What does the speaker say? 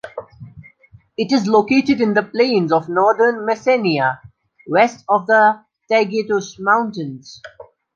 It is located in the plains of northern Messenia, west of the Taygetus mountains.